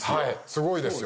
すごいですよ。